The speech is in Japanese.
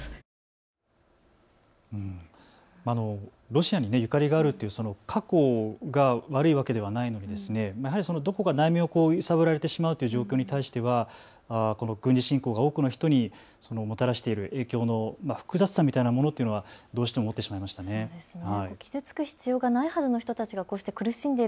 ロシアにゆかりがあるという過去が悪いわけではないのに、どこか内面を揺さぶられてしまうという状況に対しては軍事侵攻が多くの人にもたらしている影響の複雑さみたいなものというのはどうしても思ってしまいましたね。